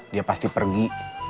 dia pasti pergi